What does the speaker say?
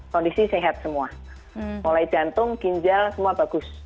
kondisi sehat semua mulai jantung ginjal semua bagus